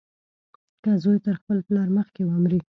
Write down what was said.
که زوى تر خپل پلار مخکې ومري.